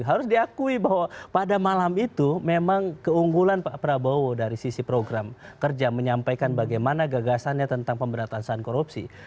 harus diakui bahwa pada malam itu memang keunggulan pak prabowo dari sisi program kerja menyampaikan bagaimana gagasannya tentang pemberantasan korupsi